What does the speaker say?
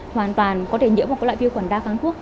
hoàn toàn có thể nhiễm một loại vi khuẩn đa kháng thuốc